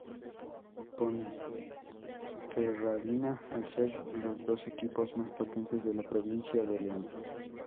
Ponferradina, al ser los dos equipos más potentes de la provincia de León.